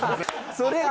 それは。